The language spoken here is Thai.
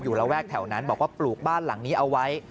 ระแวกแถวนั้นบอกว่าปลูกบ้านหลังนี้เอาไว้